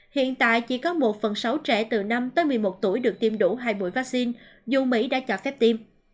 hiện tại chỉ có một phần sáu trẻ từ năm tới một mươi một tuổi được tiêm đủ hai mũi vaccine dù mỹ đã cho phép tiêm